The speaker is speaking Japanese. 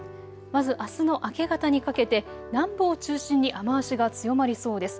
まずあすの明け方にかけて南部を中心に雨足が強まりそうです。